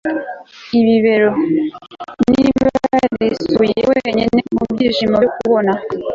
ibibero. niba yarisukuye wenyine mubyishimo byo kubona